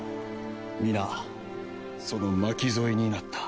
皆その巻き添えになった。